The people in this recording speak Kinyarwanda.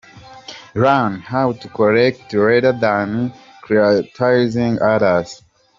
learn how to correct rather than criticising others,.